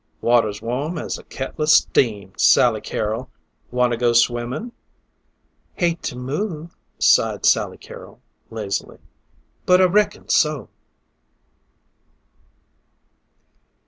"Water's warm as a kettla steam, Sally Carol. Wanta go swimmin'?" "Hate to move," sighed Sally Carol lazily, "but I reckon so."